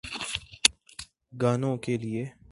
گانوں کیلئے۔